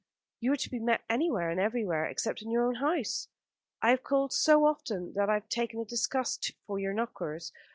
"You are to be met anywhere and everywhere except in your own house. I have called so often that I have taken a disgust for your knockers.